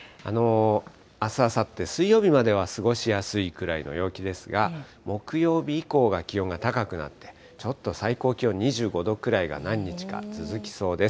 あす、あさって、水曜日までは過ごしやすいくらいの陽気ですが、木曜日以降は気温が高くなって、ちょっと最高気温２５度くらいが何日か続きそうです。